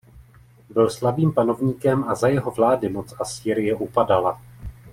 Byl slabým panovníkem a za jeho vlády moc Asýrie upadala.